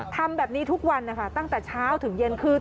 ทำแบบนี้ทุกวันนะคะตั้งแต่เช้าถึงเย็นคือ